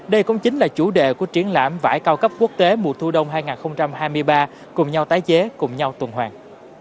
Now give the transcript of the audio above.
đây cũng chính là chủ đề của triển lãm vải cao cấp quốc tế mùa thu đông hai nghìn hai mươi ba cùng nhau tái chế cùng nhau tuần hoàng